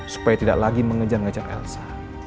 supaya tidak lagi mengejar ngejar elsa